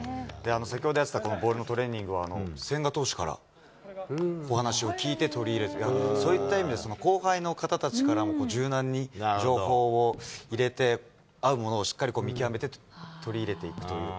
先ほどやってたボールのトレーニングは、千賀投手からお話を聞いて取り入れて、そういった意味で、後輩の方たちからも柔軟に情報を入れて、合うものをしっかり見極めて取り入れていくという。